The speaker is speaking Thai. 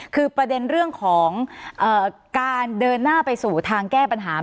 คือประเด็นเรื่องของการเดินหน้าไปสู่ทางแก้ปัญหา